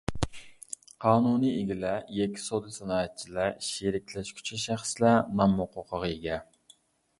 قانۇنىي ئىگىلەر، يەككە سودا-سانائەتچىلەر، شېرىكلەشكۈچى شەخسلەر نام ھوقۇقىغا ئىگە.